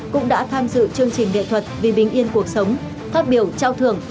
cũng đã tham dự chương trình nghệ thuật vì bình yên cuộc sống phát biểu trao thưởng